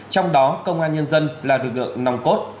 trong đó công an nhân dân là lực lượng nòng cốt